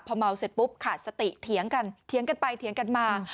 พอเมาเสร็จปุ๊บขาดสติเถียงกันเถียงกันไปเถียงกันมา